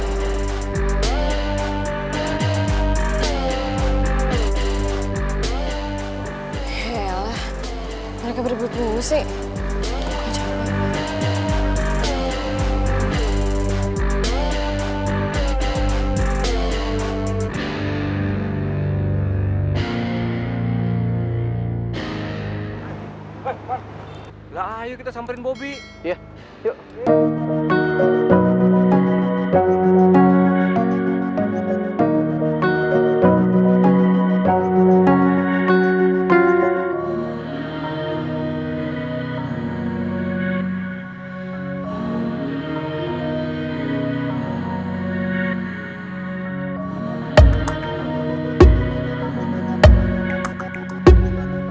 eh ya allah mereka berdua berdua pengurus sih